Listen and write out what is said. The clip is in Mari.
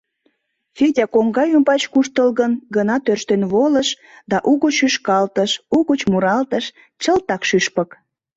Федя коҥга ӱмбач куштылгын гына тӧрштен волыш да угыч шӱшкалтыш, угыч муралтыш, чылтак шӱшпык.